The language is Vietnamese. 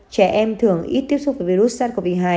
trẻ em thường ít tiếp xúc với virus sars cov hai